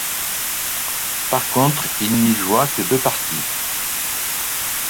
Par contre, il n'y joua que deux parties.